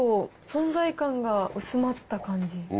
存在感が薄まった感じ。